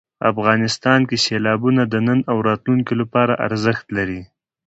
افغانستان کې سیلابونه د نن او راتلونکي لپاره ارزښت لري.